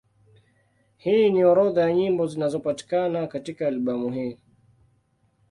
Hii ni orodha ya nyimbo zinazopatikana katika albamu hii.